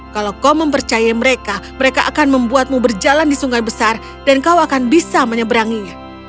kalau kau mempercaya mereka mereka akan membuatmu berjalan di sungai besar dan kau akan bisa menyeberanginya